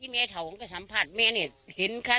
แม่เถางก็สัมภาษณ์แม่เนี่ยเห็นค่ะ